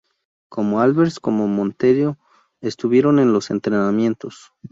Tanto Albers como Monteiro estuvieron en los entrenamientos.